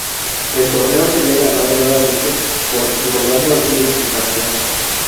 El torneo sería ganado nuevamente por logrando así el tricampeonato.